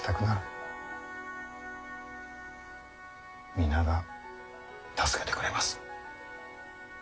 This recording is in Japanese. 皆が助けてくれます。